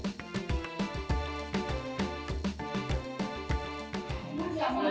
dan merayakan keberagaman di hari yang suci